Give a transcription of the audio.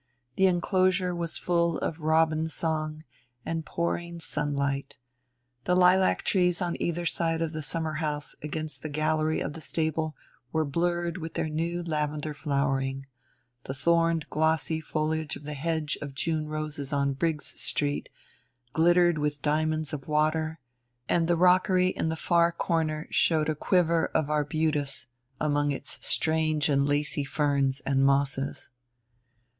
The enclosure was full of robin song and pouring sunlight; the lilac trees on either side of the summer house against the gallery of the stable were blurred with their new lavender flowering; the thorned glossy foliage of the hedge of June roses on Briggs Street glittered with diamonds of water; and the rockery in the far corner showed a quiver of arbutus among its strange and lacy ferns and mosses.